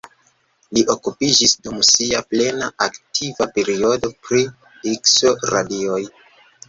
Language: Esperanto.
Li okupiĝis dum sia plena aktiva periodo pri Ikso-radioj.